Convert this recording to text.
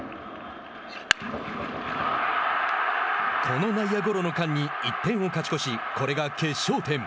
この内野ゴロの間に１点を勝ち越しこれが決勝点。